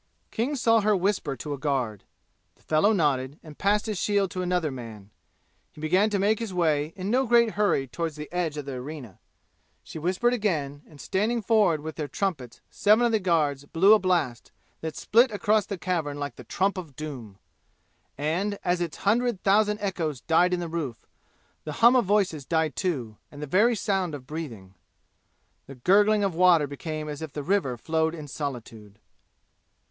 King saw her whisper to a guard. The fellow nodded and passed his shield to another man. He began to make his way in no great hurry toward the edge of the arena. She whispered again and standing forward with their trumpets seven of the guards blew a blast that split across the cavern like the trump of doom; and as its hundred thousand echoes died in the roof, the hum of voices died, too, and the very sound of breathing. The gurgling of water became as if the river flowed in solitude.